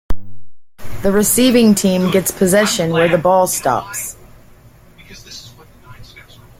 The receiving team gets possession where the ball stops.